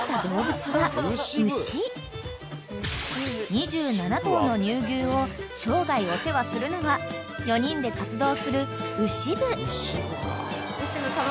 ［２７頭の乳牛を生涯お世話するのは４人で活動する］